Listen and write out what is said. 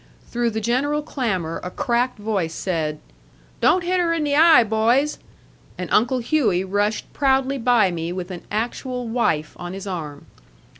Through the general clamor a cracked voice said, "Don't hit her in the eye, boys!" and Uncle Hughey rushed proudly by me with an actual wife on his arm.